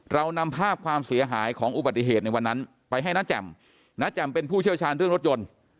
เรานำภาพความเสียหายของอุบัติเหตุในวันนั้นไปให้น้าแจ่มน้าแจ่มเป็นผู้เชี่ยวชาญเรื่องรถยนต์